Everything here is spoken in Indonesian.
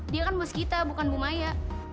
dia kan bos kita bukan bu maya